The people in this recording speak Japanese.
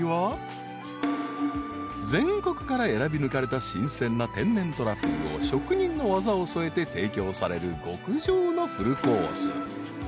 ［全国から選び抜かれた新鮮な天然トラフグを職人の技を添えて提供される極上のフルコース］